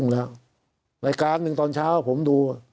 ระยะการหนึ่งตอนเช้าผมดู